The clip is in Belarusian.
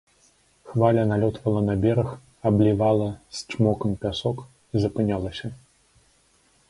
Хваля налётвала на бераг, аблівала з чмокам пясок і запынялася.